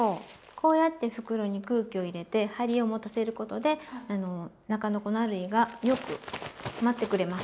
こうやって袋に空気を入れて張りを持たせることで中の粉類がよく舞ってくれます。